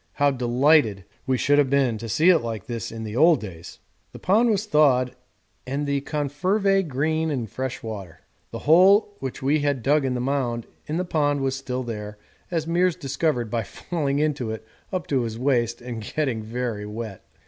How delighted we should have been to see it like this in the old days! The pond was thawed and the #confervae green in fresh water. The hole which we had dug in the mound in the pond was still there, as Meares discovered by falling into it up to his waist and getting very wet.